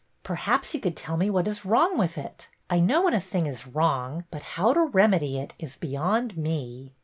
Perhaps you could tell me what is wrong with it. I know when a thing is wrong, but how to remedy it is beyond me."